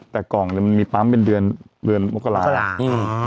แต่กล่องมันมีตามเป็นเดือนมกราศาสตร์